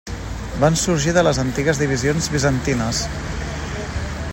Van sorgir de les antigues divisions bizantines.